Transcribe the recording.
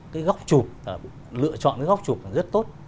cái góc chụp lựa chọn góc chụp rất tốt